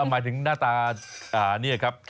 หมายถึงหน้าตานี่ครับ